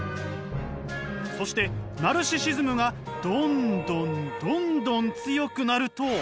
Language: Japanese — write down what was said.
そしてナルシシズムがどんどんどんどん強くなると。